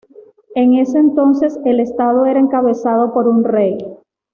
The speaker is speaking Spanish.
En ese entonces el estado era encabezado por un rey.